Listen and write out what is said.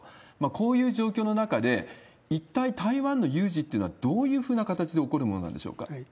こういう状況の中で、一体、台湾の有事っていうのはどういうふうな形で起こるものなんでしょうか？